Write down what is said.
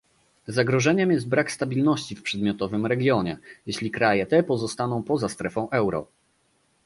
Zagrożeniem jest brak stabilności w przedmiotowym regionie, jeśli kraje te pozostaną poza strefą euro